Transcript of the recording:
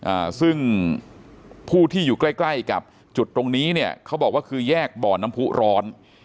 อ่าซึ่งผู้ที่อยู่ใกล้ใกล้กับจุดตรงนี้เนี่ยเขาบอกว่าคือแยกบ่อน้ำผู้ร้อน